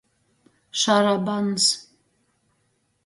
Šarabans.